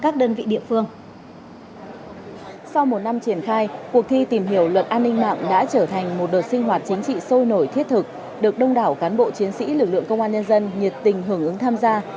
trường hiểu luật an ninh mạng đã trở thành một đợt sinh hoạt chính trị sôi nổi thiết thực được đông đảo cán bộ chiến sĩ lực lượng công an nhân dân nhiệt tình hưởng ứng tham gia